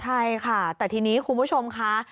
ใช่ค่ะแต่ทีนี้คุณผู้ชมค่ะ